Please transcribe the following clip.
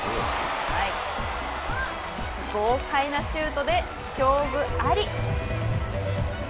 豪快なシュートで勝負あり。